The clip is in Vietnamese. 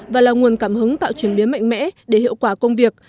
và là nguồn cảm hứng tạo truyền biến mạnh mẽ để hiệu quả công việc